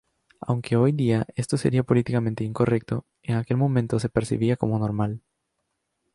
Aunque hoy día esto sería políticamente incorrecto, en aquel momento se percibía como normal.